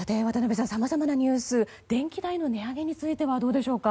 さまざまなニュース電気代の値上げについてはどうでしょうか？